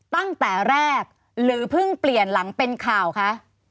ตั้งแต่แรกหรือเพิ่งเปลี่ยนหลังเป็นข่าวคะ